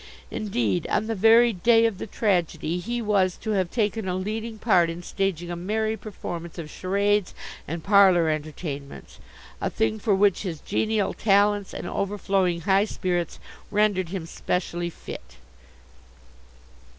Indeed, on the very day of the tragedy, he was to have taken a leading part in staging a merry performance of charades and parlour entertainments a thing for which his genial talents and overflowing high spirits rendered him specially fit."